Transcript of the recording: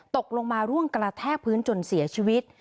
ตกลงมาร่วงกระแทกพื้นจนเสียชีวิต